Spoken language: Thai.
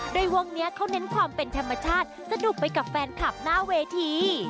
โดยวงนี้เขาเน้นความเป็นธรรมชาติสนุกไปกับแฟนคลับหน้าเวที